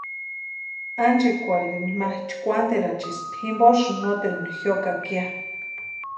Ánchikwarhirini ma chkwanterachispti jimposïni noteru jiokaka ya.